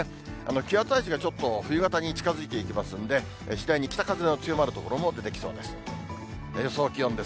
気圧配置がちょっと冬型に近づいていきますんで、次第に北風の強まる所も出てきそうです。